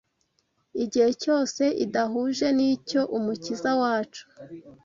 igihe cyose idahuje n’icyo Umukiza wacu